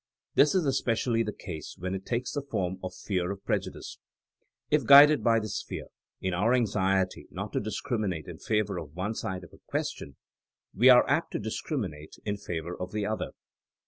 This is especially the case when it takes the form of fear of prejudice. If guided by this fear, in our anxiety not to discriminate in favor of one side of a question we are apt to discriminate in 122 THtNEINa AS A SCIENCE favor of the other.